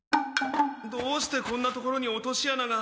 どうしてこんな所に落としあなが。